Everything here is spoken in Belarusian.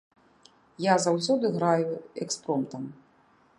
Я заўсёды граю экспромтам.